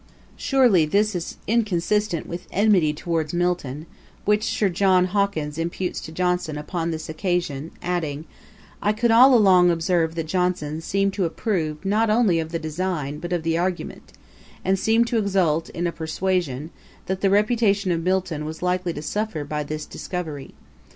] Surely this is inconsistent with 'enmity towards Milton,' which Sir John Hawkins imputes to Johnson upon this occasion, adding, 'I could all along observe that Johnson seemed to approve not only of the design, but of the argument; and seemed to exult in a persuasion, that the reputation of Milton was likely to suffer by this discovery.